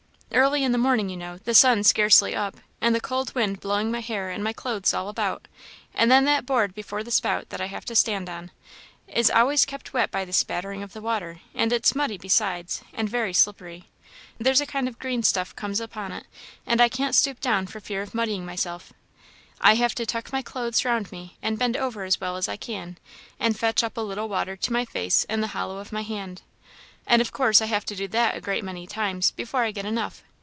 Early in the morning, you know; the sun scarcely up, and the cold wind blowing my hair and my clothes all about; and then that board before the spout that I have to stand on, is always kept wet by the spattering of the water, and it's muddy besides, and very slippery there's a kind of green stuff comes upon it; and I can't stoop down for fear of muddying myself; I have to tuck my clothes round me and bend over as well as I can, and fetch up a little water to my face in the hollow of my hand, and of course I have to do that a great many times before I get enough.